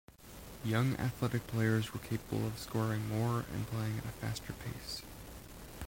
Young athletic players were capable of scoring more and playing at a faster pace.